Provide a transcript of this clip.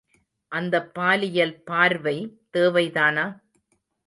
இந்தப் பாலியல் பார்வை தேவைதானா?